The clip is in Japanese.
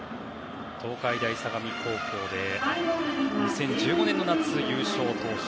東海大相模高校で２０１５年の夏、優勝投手。